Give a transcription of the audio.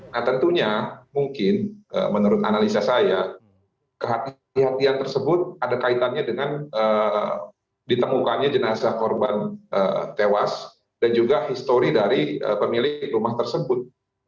nah tentunya mungkin menurut analisa saya kehatian tersebut ada kaitannya dengan ditemukannya jenazah korban tewas dan juga histori dari pemilik rumah tersebut